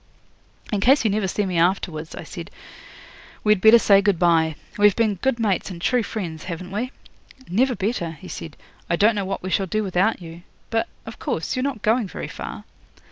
'"In case you never see me afterwards," I said, "we'd better say good bye. We've been good mates and true friends, haven't we?" '"Never better," he said. "I don't know what we shall do without you. But, of course, you're not going very far?"